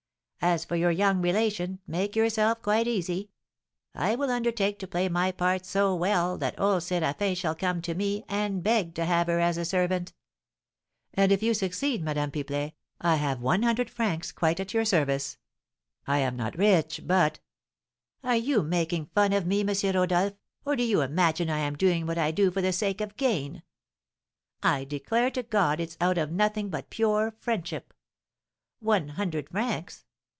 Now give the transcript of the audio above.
As for your young relation, make yourself quite easy; I will undertake to play my part so well that old Séraphin shall come to me, and beg to have her as a servant." "And if you succeed, Madame Pipelet, I have one hundred francs quite at your service. I am not rich, but " "Are you making fun of me, M. Rodolph, or do you imagine I am doing what I do for the sake of gain? I declare to God it's out of nothing but pure friendship! One hundred francs!